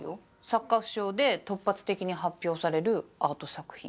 作家不詳で突発的に発表されるアート作品。